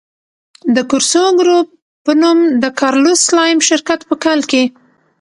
د کورسو ګروپ په نوم د کارلوس سلایم شرکت په کال کې.